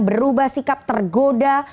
berubah sikap tergoda